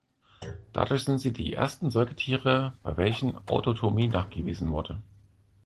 Dadurch sind sie die ersten Säugetiere, bei welchen Autotomie nachgewiesen wurde.